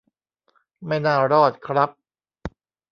ไม่น่ารอดครับ